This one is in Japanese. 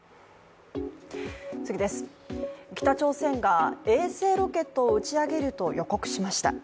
北朝鮮が衛星ロケットを打ち上げると予告しました。